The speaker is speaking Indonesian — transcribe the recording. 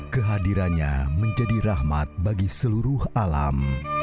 kehadirannya menjadi rahmat bagi seluruh alam